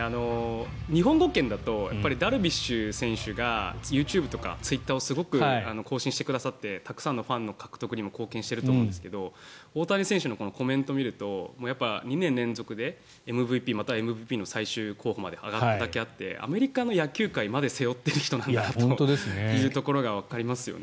日本語圏だとダルビッシュ選手がＹｏｕＴｕｂｅとかツイッターをすごく更新してくださってたくさんのファンの獲得にも貢献していると思うんですけど大谷選手のコメントを見ると２年連続でＭＶＰまたはＭＶＰの最終候補に挙がっただけあってアメリカの野球界まで背負ってる人なんだというところがわかりますよね。